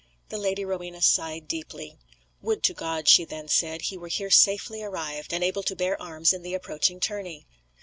The Lady Rowena sighed deeply. "Would to God," she then said, "he were here safely arrived, and able to bear arms in the approaching tourney.